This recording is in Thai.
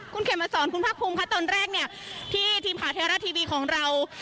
คุณเขมมาสอนคุณภาคภูมิค่ะตอนแรกเนี่ยที่ทีมข่าวไทยรัฐทีวีของเรา